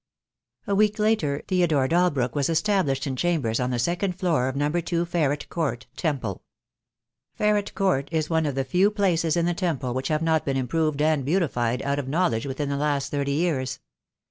A week later Theodore Dalbrook was established in chambers on the second floor of No. 2, Ferret Court, Temple. Ferret Court is one of the few places in the Temple which have not been improved and beautified out of knowledge within the last thirty years.